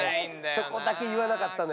そこだけ言わなかったのよ